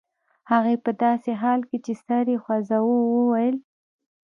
هغې په داسې حال کې چې سر یې خوځاوه وویل